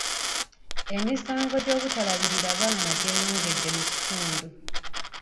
Emisango gy'obutalabirira baana gyeyongera mu kitundu.